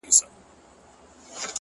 • ستا د غزلونو و شرنګاه ته مخامخ يمه،